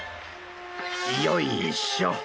よいしょ！